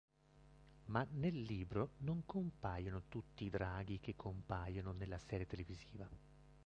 Ma nel libro non compaiono tutti i draghi che compaiono nella serie televisiva.